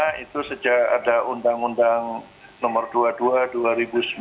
karena itu sejak ada undang undang nomor dua puluh dua dua ribu sembilan